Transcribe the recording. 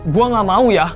gua gak mau ya